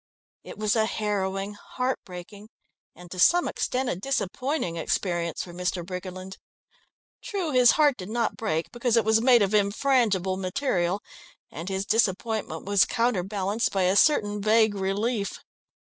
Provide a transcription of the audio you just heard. It was a harrowing, heart breaking, and to some extent, a disappointing experience for Mr. Briggerland. True, his heart did not break, because it was made of infrangible material, and his disappointment was counter balanced by a certain vague relief.